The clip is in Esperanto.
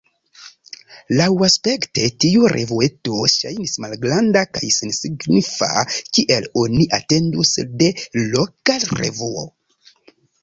Laŭaspekte tiu revueto ŝajnis malgranda kaj sensignifa, kiel oni atendus de loka revuo.